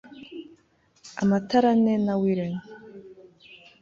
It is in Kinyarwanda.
amatara ane na wren